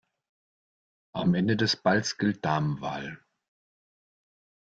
Am Ende des Balls gilt Damenwahl.